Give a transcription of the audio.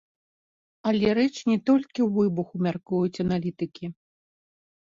Але рэч не толькі ў выбуху, мяркуюць аналітыкі.